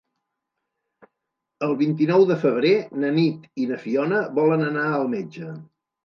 El vint-i-nou de febrer na Nit i na Fiona volen anar al metge.